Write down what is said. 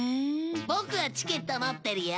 ボクはチケット持ってるよ。